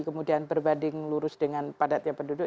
kemudian berbanding lurus dengan padatnya penduduk